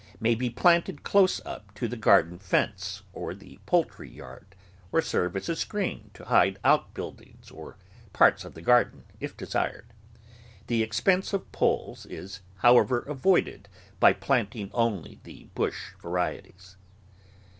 may be planted close up to the garden fence or the poultry yard, or serve as a screen to hide outbuildings or parts of the garden if desired. The expense of poles is, however, avoided by plant ing only the bush varieties.